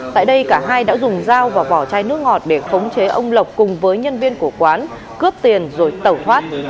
tại đây cả hai đã dùng dao và vỏ chai nước ngọt để khống chế ông lộc cùng với nhân viên của quán cướp tiền rồi tẩu thoát